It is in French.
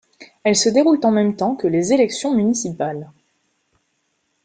Elles se déroulent en même temps que les élections municipales.